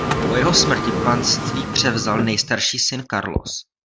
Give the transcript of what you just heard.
Po jeho smrti panství převzal nejstarší syn Carlos.